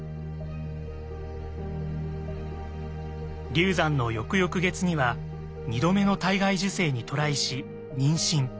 流産の翌々月には２度目の体外受精にトライし妊娠。